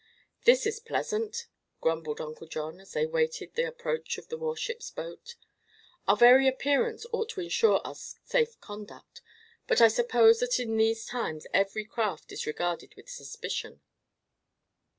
"This is pleasant!" grumbled Uncle John, as they awaited the approach of the warship's boat. "Our very appearance ought to insure us safe conduct, but I suppose that in these times every craft is regarded with suspicion."